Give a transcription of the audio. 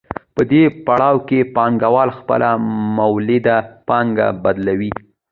په دې پړاو کې پانګوال خپله مولده پانګه بدلوي